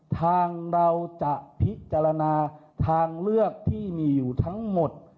ทางเราจะพิจารณาทางเลือกที่มีอยู่ทั้งหมด